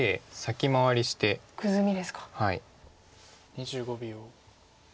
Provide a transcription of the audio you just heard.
２５秒。